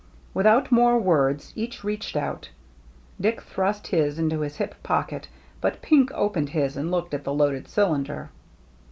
Without more words each reached out. Dick thrust his into his hip pocket; but Pink opened his and looked at the loaded cylinder.